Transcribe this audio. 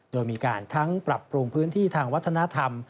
โดยมีการทั้งปรับปรุงพื้นที่ทางวัฒนธรรม